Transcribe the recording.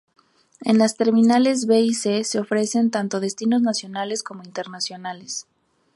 En las Terminales B y C se ofrecen tanto destinos nacionales como internacionales.